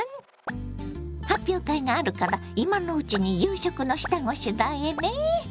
発表会があるから今のうちに夕食の下ごしらえね。